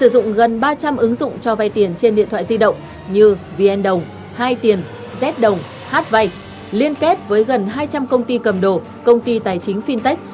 dụng cho vay tiền trên điện thoại di động như vnđ hai tiền zđ hv liên kết với gần hai trăm linh công ty cầm đồ công ty tài chính fintech